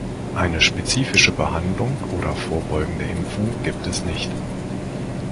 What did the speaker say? Eine spezifische Behandlung oder vorbeugende Impfung gibt es nicht.